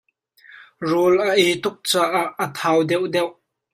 Rawl a ei tuk caah a thau deuh deuh.